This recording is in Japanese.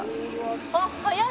あっ早い！